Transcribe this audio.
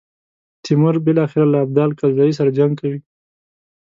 تیمور بالاخره له ابدال کلزايي سره جنګ کوي.